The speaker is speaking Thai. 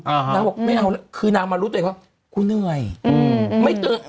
นางบอกไม่เอาคือนางมารู้ตัวเองว่ากูเหนื่อยอืมไม่ตื่น